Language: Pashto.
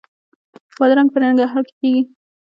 بادرنګ په ننګرهار کې کیږي